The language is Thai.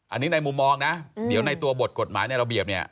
อันนี้ในมุมมองนะเดี๋ยวในตัวบทกฎหมายในระเบียบเนี่ย